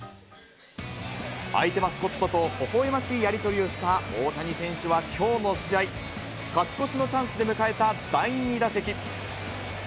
相手マスコットとほほえましいやり取りをした大谷選手は、きょうの試合、勝ち越しのチャンスで迎えた第２打席。